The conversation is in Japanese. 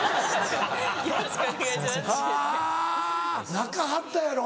泣かはったやろ。